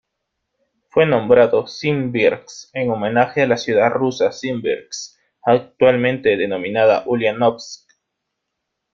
Fue nombrado Simbirsk en homenaje a la ciudad rusa Simbirsk, actualmente denominada Uliánovsk.